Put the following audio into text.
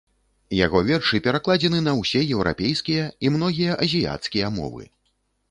Яго вершы перакладзены на ўсе еўрапейскія і многія азіяцкія мовы.